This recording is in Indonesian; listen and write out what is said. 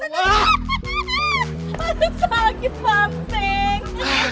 aduh sakit banting